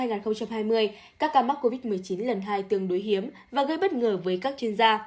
năm hai nghìn hai mươi các ca mắc covid một mươi chín lần hai tương đối hiếm và gây bất ngờ với các chuyên gia